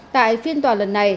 tại phiên tòa lần này